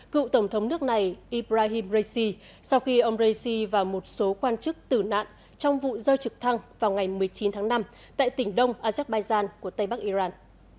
cựu tổng thống nước này ibrahim raisi sau khi ông raisi và một số quan chức tử nạn trong vụ rơi trực thăng vào ngày một mươi chín tháng năm tại tỉnh đông azerbaijan của tây bắc iran